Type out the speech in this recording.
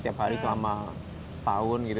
tiap hari selama tahun gitu